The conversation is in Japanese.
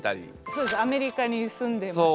そうですねアメリカに住んでました。